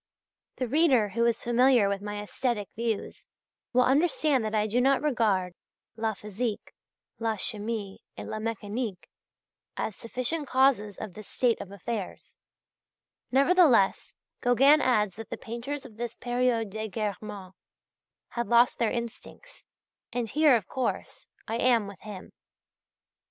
The reader who is familiar with my aesthetic views, will understand that I do not regard "la physique, la chimie et la mécanique," as sufficient causes of this state of affairs; nevertheless Gauguin adds that the painters of this "période d'égarement," had lost their instincts, and here, of course, I am with him.